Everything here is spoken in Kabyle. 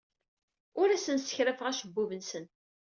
Ur asen-ssekrafeɣ acebbub-nsen.